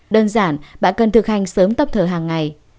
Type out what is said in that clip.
đơn giản bạn cần thực hành sớm tập thở hàng ngày